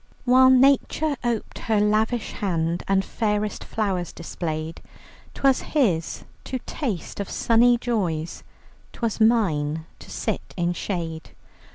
"While Nature op'ed her lavish hand And fairest flowers displayed, 'Twas his to taste of sunny joys, 'Twas mine to sit in shade.